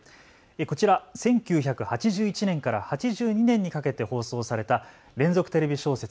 こちら、１９８１年から８２年にかけて放送された連続テレビ小説